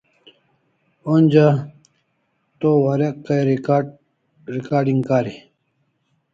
Onja to warek kai recarding kari